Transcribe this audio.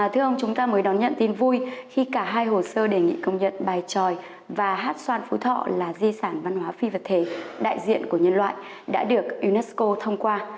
thưa ông chúng ta mới đón nhận tin vui khi cả hai hồ sơ đề nghị công nhận bài tròi và hát xoan phú thọ là di sản văn hóa phi vật thể đại diện của nhân loại đã được unesco thông qua